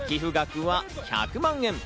寄付額は１００万円。